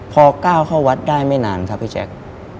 พอก้าวเข้าวัดได้ไม่นานครับพี่แจ๊ค